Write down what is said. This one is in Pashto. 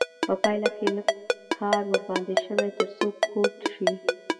په پایله کې لږ کار ورباندې شوی تر څو کوټ شي.